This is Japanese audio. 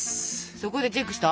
そこでチェックした？